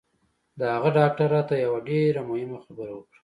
د هغه ډاکتر راته یوه ډېره مهمه خبره وکړه